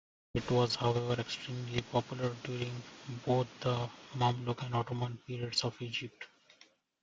It was, however, extremely popular during both the Mamluk and Ottoman periods of Egypt.